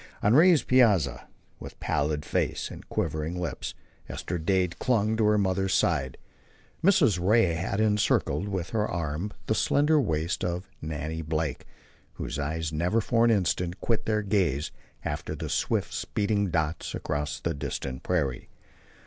On the Rays' piazza, with pallid face and quivering lips, Esther Dade clung to her mother's side. Mrs. Ray had encircled with her arm the slender waist of Nannie Blake, whose eyes never for an instant quit their gaze after the swift speeding dots across the distant prairie.